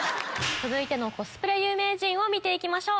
続いてのコスプレ有名人を見て行きましょう！